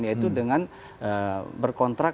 yaitu dengan berkontrak